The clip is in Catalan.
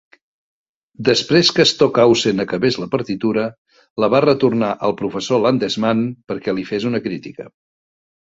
Després que Stockhausen acabés la partitura, la va retornar al professor Landesmann perquè li fes una crítica.